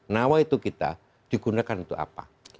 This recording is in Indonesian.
nawa itu kita digunakan untuk apa